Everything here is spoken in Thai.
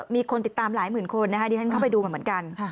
มีคนติดตามหลายหมื่นคนนะคะเดี๋ยวท่านเข้าไปดูเหมือนกัน